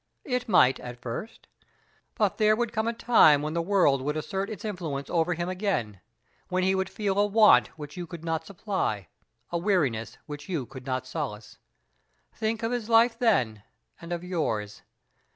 It might, at first; but there would come a time when the world would assert its influence over him again; when he would feel a want which you could not supply a weariness which you could not solace. Think of his life then, and of yours.